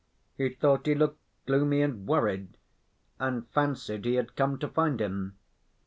He thought he looked gloomy and worried, and fancied he had come to find him.